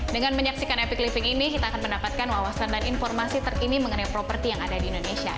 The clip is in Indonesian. dengan menyaksikan epic living ini kita akan mendapatkan wawasan dan informasi terkini mengenai properti yang ada di indonesia